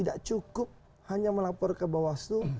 dan itu kuranglah hanya melapor ke bawah slu